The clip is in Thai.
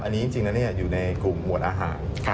อันนี้จริงแล้วอยู่ในกลุ่มหมวดอาหาร